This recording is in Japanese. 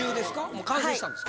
もう完成したんですか？